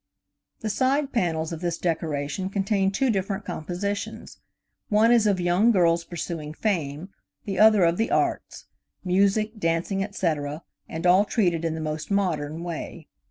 The side panels of this decoration contain two different compositions. One is of young girls pursuing fame, the other of the arts: music, dancing, etc., and all treated in the most modern way.